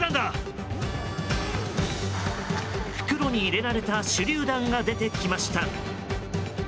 袋に入れられた手りゅう弾が出てきました。